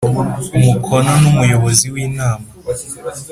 Umukono N Umuyobozi W Inama